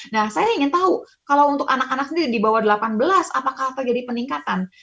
nah saya ingin tahu kalau untuk anak anak sendiri di bawah delapan belas apakah terjadi peningkatan